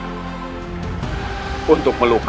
baik uncomfortable mungkin